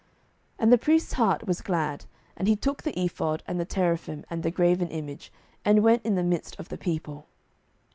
07:018:020 And the priest's heart was glad, and he took the ephod, and the teraphim, and the graven image, and went in the midst of the people.